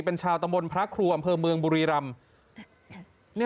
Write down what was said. เป็นชาวตำบลพระครูอำเภอเมืองบุรีรำ